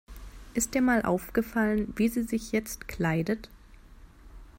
Ist dir mal aufgefallen, wie sie sich jetzt kleidet?